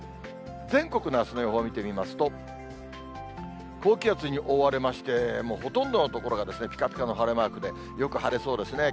全国のあすの予報見てみますと、高気圧に覆われまして、ほとんどの所がぴかぴかの晴れマークでよく晴れそうですね。